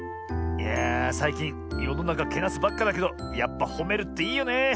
いやあさいきんよのなかけなすばっかだけどやっぱほめるっていいよね。